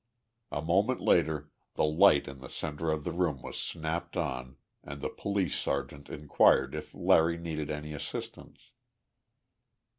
A moment later the light in the center of the room was snapped on and the police sergeant inquired if Larry needed any assistance.